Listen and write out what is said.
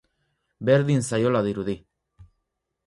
Berdin zaiola dirudi.